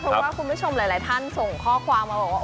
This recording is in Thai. เพราะว่าคุณผู้ชมหลายท่านส่งข้อความมาบอกว่า